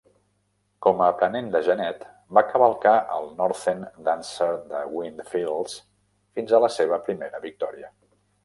Com aprenent de genet, va cavalcar al Northern Dancer de Windfields fins a la seva primera victòria.